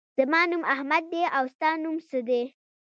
زما نوم احمد دی. او ستا نوم څه دی؟